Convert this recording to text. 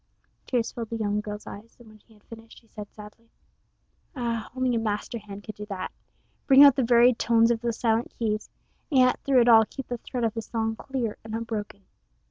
Tears filled the young girl's eyes, and when he had finished she said sadly: "Ah, only a master hand could do that bring out the varied tones of those silent keys, and yet through it all keep the thread of the song clear and unbroken.